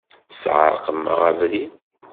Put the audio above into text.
Tesεerqem-aɣ abrid.